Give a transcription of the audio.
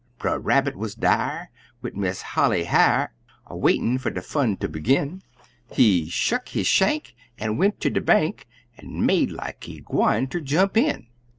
Brer Rabbit wuz dar, wid Miss Molly Har', A waitin' fer de fun ter begin; He shuck his shank, an' went ter de bank, An' make like he gwineter jump in!